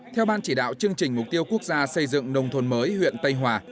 theo ban chỉ đạo chương trình mục tiêu quốc gia xây dựng nông thôn mới huyện tây hòa